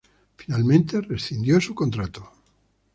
Finalmente, rescindió su contrato.